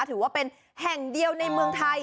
ถือว่าเป็นแห่งเดียวในเมืองไทย